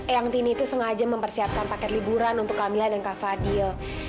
yang tini itu sengaja mempersiapkan paket liburan untuk kamila dan kak fadel